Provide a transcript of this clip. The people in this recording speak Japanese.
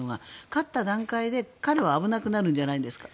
勝った段階で、彼は危なくなるんじゃないですか。